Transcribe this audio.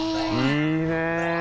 いいね。